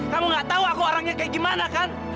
kamu gak tahu aku orangnya kayak gimana kan